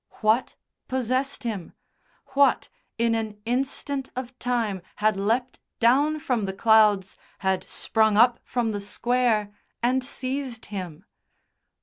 What possessed him? What, in an instant of time, had leapt down from the clouds, had sprung up from the Square and seized him?